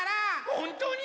ほんとに？